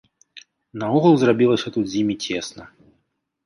Наогул зрабілася тут з імі цесна.